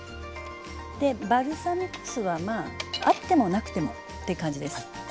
バルサミコ酢はまああってもなくてもって感じです。